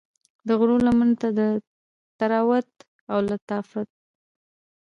د غرو لمنو ته د طراوت او لطافت